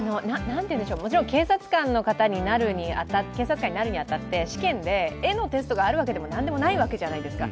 警察官になるに当たって試験で絵のテストがあるわけでもなんでもないわけじゃないですか。